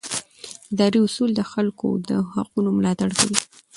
اداري اصول د خلکو د حقونو ملاتړ کوي.